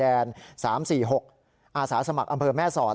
อาสาสมัครอำเภอแม่สอด